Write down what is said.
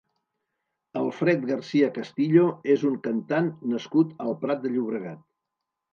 Alfred García Castillo és un cantant nascut al Prat de Llobregat.